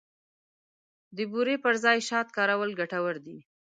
د بوري پر ځای شات کارول ګټور دي.